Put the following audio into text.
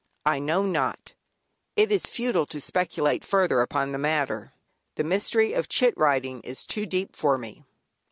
I know not, it is futile to speculate further upon the matter. The mystery of "chit" writing is too deep for me.